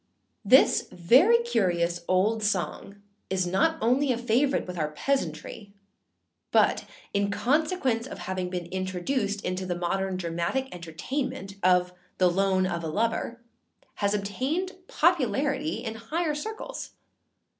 [THIS very curious old song is not only a favourite with our peasantry, but, in consequence of having been introduced into the modern dramatic entertainment of The Loan of a Lover, has obtained popularity in higher circles.